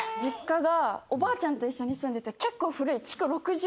おばあちゃんと一緒に住んでて。